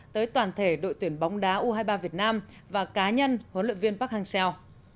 tới toàn thể đội tuyển bóng đá u hai mươi ba việt nam và cá nhân huấn luyện viên park hang seo